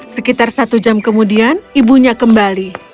sekitar satu jam kemudian ibunya kembali